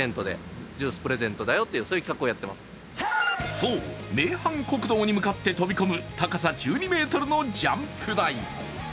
そう、名阪国道に向かって飛び込む高さ１２ｍのジャンプ台。